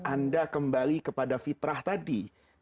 anda kembali kepada fitrah tadi